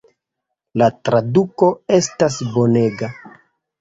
La traduko estas bonega.